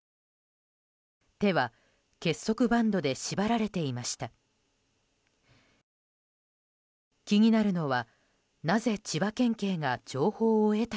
手は結束バンドで縛られていました。